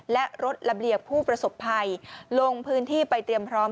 และลดระเบียบผู้ประสบภัยลงพื้นที่ไปเตรียมพร้อม